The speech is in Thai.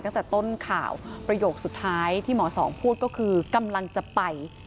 ตั้งแต่ต้นข่าวประโยคสุดท้ายที่หมอสองพูดก็คือกำลังจะไป